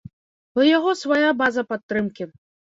У яго свая база падтрымкі.